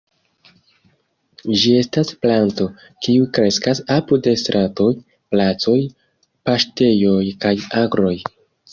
Ĝi estas planto, kiu kreskas apud stratoj, placoj, paŝtejoj kaj agroj.